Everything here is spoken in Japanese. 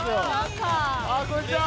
こんにちは。